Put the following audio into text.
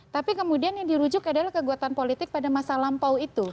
tapi kemudian yang dirujuk adalah kekuatan politik pada masa lampau itu